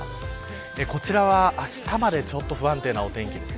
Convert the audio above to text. こちらは、あしたまでちょっと不安定なお天気です。